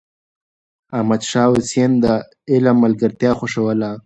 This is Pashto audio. احمد شاه حسين د علم ملګرتيا خوښوله.